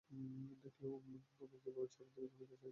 দেখলে ওম তোমায় কিভাবে ছেড়ে দিলো তুমিতো চাইতে তাকে বিয়ে করবে, তাই না?